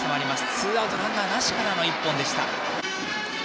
ツーアウトランナーなしからの一本でした。